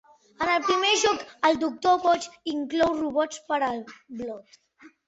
En el primer joc, el Doctor Boig inclou robots per al Blot.